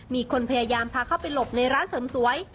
มีคนพยายามพาเข้าไปหลบในร้านเสริมสวย